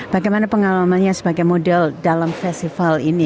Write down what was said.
bagaimana pengalamannya sebagai model dalam festival ini